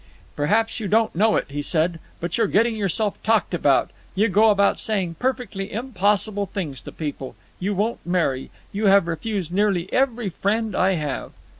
"Perhaps you don't know it," he said, "but you're getting yourself talked about. You go about saying perfectly impossible things to people. You won't marry. You have refused nearly every friend I have."